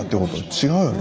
違うよね。